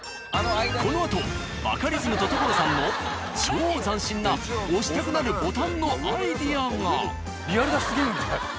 このあとバカリズムと所さんの超斬新な押したくなるボタンのアイデアが。